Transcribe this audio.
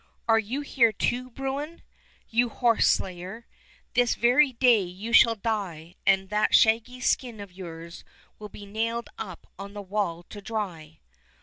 are you here, too. Bruin, you horse slayer. This very day you shall die, and that shaggy skin of yours will be nailed up on the wall to dry."